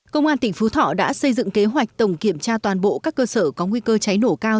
công an tỉnh phú thọ đã xây dựng kế hoạch tổng kiểm tra toàn bộ các cơ sở có nguy cơ cháy nổ cao